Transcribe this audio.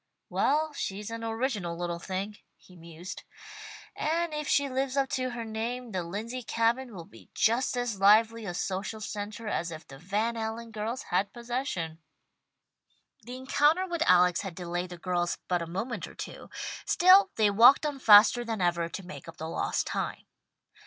"Well, she's an original little thing," he mused, "and if she lives up to her name the Lindsey Cabin will be just as lively a social centre as if the Van Allen girls had possession." The encounter with Alex had delayed the girls but a moment or two, still they walked on faster than ever to make up the lost time.